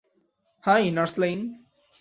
High, nurse lane!